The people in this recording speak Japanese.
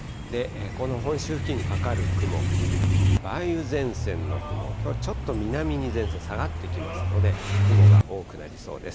この本州付近にかかる雲、梅雨前線の雲、きょうはちょっと南に前線下がってきますので、雲が多くなりそうです。